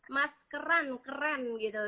mas keren keren gitu kan